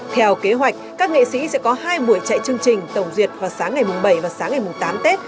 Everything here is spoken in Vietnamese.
theo kế hoạch các nghệ sĩ sẽ có hai buổi chạy chương trình tổng duyệt vào sáng ngày mùng bảy và sáng ngày tám tết